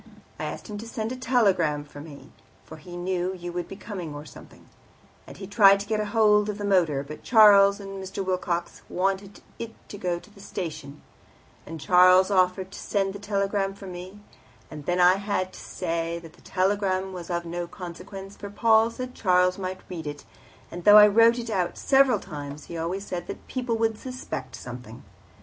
I asked him to send a telegram for me, for he knew you would be coming or something; and he tried to get hold of the motor, but Charles and Mr. Wilcox wanted it to go to the station; and Charles offered to send the telegram for me, and then I had to say that the telegram was of no consequence, for Paul said Charles might read it, and though I wrote it out several times, he always said people would suspect something.